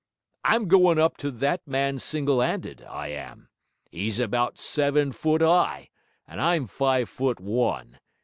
I'm goin' up to that man single 'anded, I am. 'E's about seven foot high, and I'm five foot one.